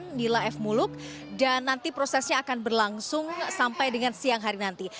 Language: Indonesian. inilah f muluk dan nanti prosesnya akan berlangsung sampai dengan siang hari nanti